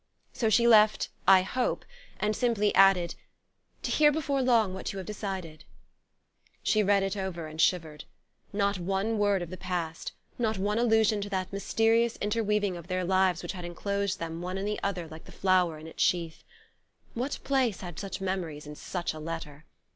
So she left "I hope," and simply added: "to hear before long what you have decided." She read it over, and shivered. Not one word of the past not one allusion to that mysterious interweaving of their lives which had enclosed them one in the other like the flower in its sheath! What place had such memories in such a letter?